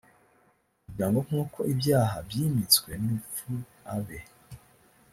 kugira ngo nk uko ibyaha byimitswe n urupfu abe